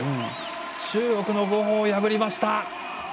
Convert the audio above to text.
中国の呉鵬、破りました。